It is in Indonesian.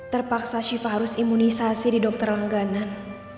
terpaksa syifa harus imunisasi di dokter langganan